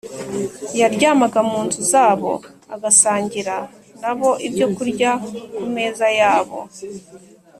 Yaryamaga mu nzu zabo, agasangira na bo ibyokurya ku meza yabo